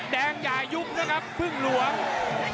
อย่ายุบนะครับพึ่งหลวง